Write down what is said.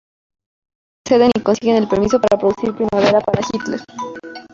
Max y Leo acceden y consiguen el permiso para producir "Primavera para Hitler".